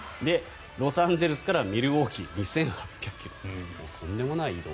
ロサンゼルスからミルウォーキー２８００ｋｍとんでもない移動。